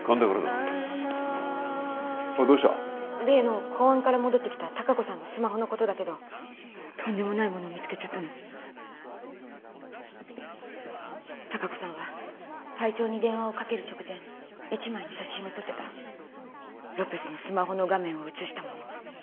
例の公安から戻ってきた隆子さんのスマホのことだけどとんでもないものを見つけちゃったの隆子さんは隊長に電話をかける直前一枚の写真を撮ってたロペスのスマホの画面を写したもの